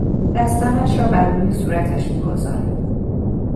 دستانش را بر روی صورتش میگذارد